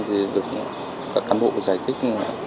thì được các cán bộ giải thích